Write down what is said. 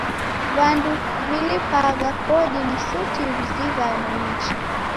W'andu w'ilipagha kodi ni suti w'izighano nicha.